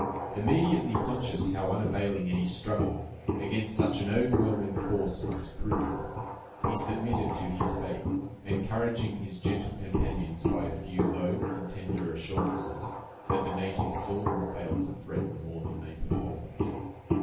Immediately conscious how unavailing any struggle against such an overwhelming force must prove, he submitted to his fate, encouraging his gentle companions by a few low and tender assurances, that the natives seldom failed to threaten more than they performed.